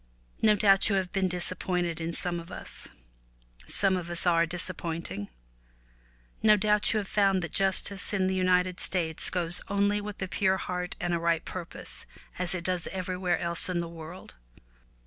No doubt you have been disappointed in some of us. Some of us are disappointing. No doubt you have found that justice in the United States goes only with a pure heart and a right purpose as it does everywhere else in the world.